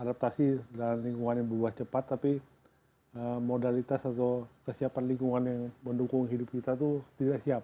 adaptasi dalam lingkungan yang berubah cepat tapi modalitas atau kesiapan lingkungan yang mendukung hidup kita itu tidak siap